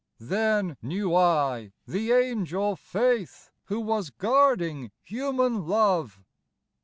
Then knew I the Angel Faith, Who was guarding human Love.